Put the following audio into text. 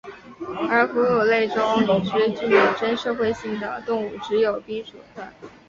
而哺乳类中已知具有真社会性的动物只有滨鼠科。